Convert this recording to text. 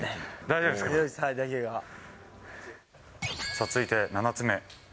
さあ、続いて７つ目。